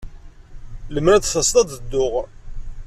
Lemmer ad d-taseḍ, ad dduɣ.